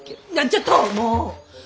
ちょっともう！